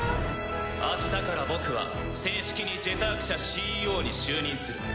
明日から僕は正式に「ジェターク社」ＣＥＯに就任する。